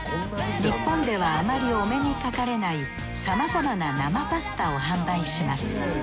日本ではあまりお目にかかれないさまざまな生パスタを販売します。